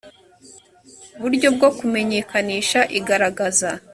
buryo bwo kumenyekanisha igaragaza